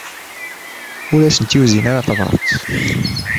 Ur asen-yuzin ara tabrat.